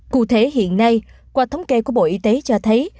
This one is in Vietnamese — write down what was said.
cụ thể hiện nay qua thống kê của bộ y tế cho thấy